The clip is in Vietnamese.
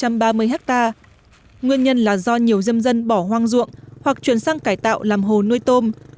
năm hai nghìn một mươi bảy địa phương này có một trăm ba mươi hecta nguyên nhân là do nhiều diêm dân bỏ hoang ruộng hoặc chuyển sang cải tạo làm hồ nuôi tôm